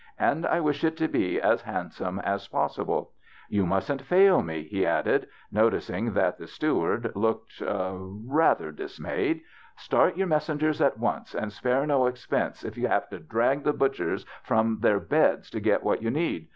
And I wish it to be as hand some as possible. You mustn't fail me," he added, noticing that the steward looked rather THE BACHELOR'S CHRISTMAS ZS dismayed. "Start your messengers at once and spare no expense, if you have to drag the butchers from their beds to get what you need.